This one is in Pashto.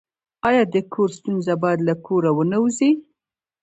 آیا د کور ستونزه باید له کوره ونه وځي؟